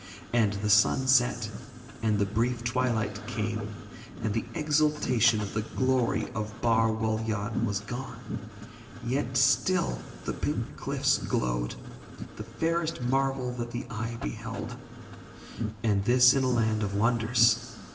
And the sun set, and the brief twilight came, and the exultation of the glory of Bar Wul Yann was gone, yet still the pink cliffs glowed, the fairest marvel that the eye beheld and this in a land of wonders.